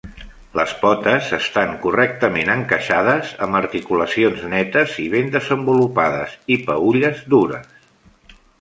Les potes estan correctament encaixades, amb articulacions netes i ben desenvolupades i peülles dures.